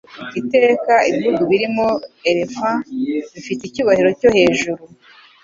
Iteka ibihugu birimo Elephant bifite icyubahiro cyo hejuru